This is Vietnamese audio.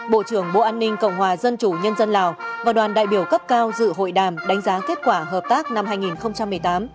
bộ trưởng bộ an ninh cộng hòa dân chủ nhân dân lào và đoàn đại biểu cấp cao dự hội đàm đánh giá kết quả hợp tác năm hai nghìn một mươi tám